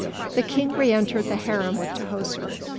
The King re entered the harem with Tahoser.